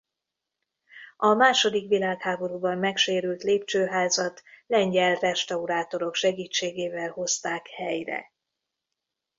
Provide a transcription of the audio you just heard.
A második világháborúban megsérült lépcsőházat lengyel restaurátorok segítségével hozták helyre.